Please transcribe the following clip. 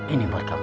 ini buat kamu